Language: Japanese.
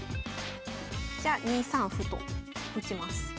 じゃあ２三歩と打ちます。